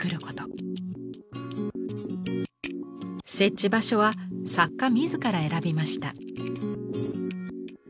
設置場所は作家自ら選びました。